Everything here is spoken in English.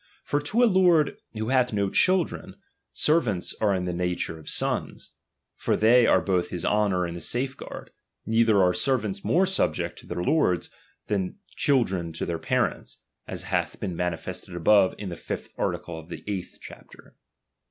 For to a lord who hath no children, servants are in the na ture of sons ; for they are both his honour and safeguard; neither are sercanis more subject to thdr /orrf*, then children to their parents, as hath been manifested above in the fifth article of the Hghth chapter.